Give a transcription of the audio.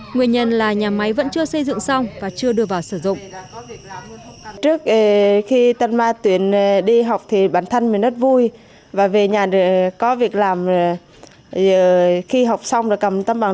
nguyên nhân là nhà máy vẫn chưa xây dựng xong và chưa đưa vào sử dụng